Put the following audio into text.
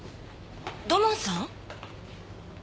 土門さん？